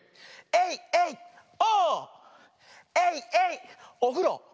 エイエイオー！